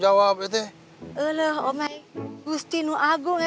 aduh belom berpisahan